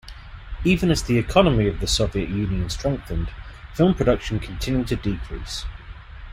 Even as the economy of the Soviet Union strengthened, film production continued to decrease.